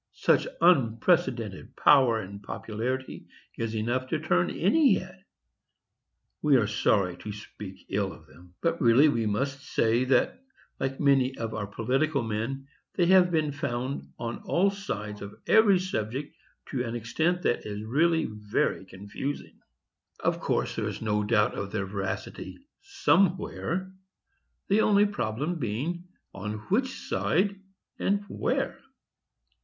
Such unprecedented power and popularity is enough to turn any head. We are sorry to speak ill of them; but really we must say, that, like many of our political men, they have been found on all sides of every subject to an extent that is really very confusing. Of course, there is no doubt of their veracity somewhere; the only problem being, on which side, and where.